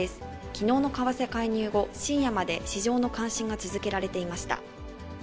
きのうの為替介入後、深夜まで市場の監視が続けられていました。